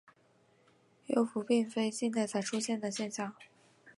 幽浮并非近代才出现的现象。